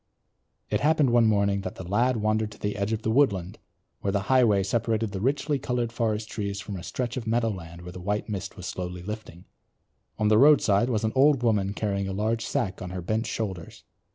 It happened one morning that the lad wandered to the edge of the woodland where the highway separated the richly coloured forest trees from a stretch of meadowland where the white mist was slowly lifting. On the roadside was an old woman carrying a large sack on her bent shoulders.